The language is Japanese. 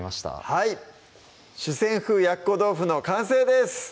はい「四川風やっこ豆腐」の完成です